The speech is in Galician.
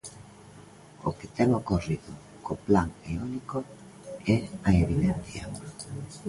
O que ten ocorrido co plan eólico é a evidencia.